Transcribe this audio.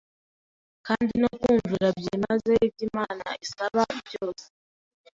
kandi no kumvira byimazeyo ibyo Imana isaba byose